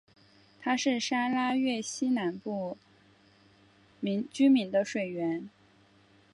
它是沙拉越西南部居民的水源。